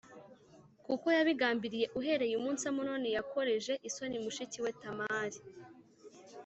kuko yabigambiriye uhereye umunsi Amunoni yakoreje isoni mushiki we Tamari.